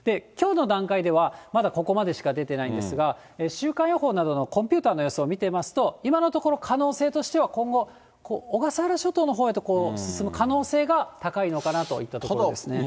きょうの段階ではまだここまでしか出てないんですが、週間予報などのコンピューターの予想を見てみますと、今のところ、可能性としては、今後、小笠原諸島のほうへと進む可能性が高いのかなといったところです